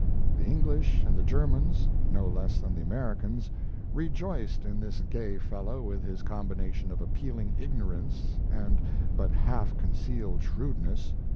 The English and the Germans, no less than the Americans, rejoiced in this gay fellow with his combination of appealing ignorance and but half concealed shrewdness.